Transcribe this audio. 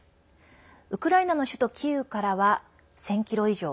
ウクライナの首都キーウからは１０００ｋｍ以上。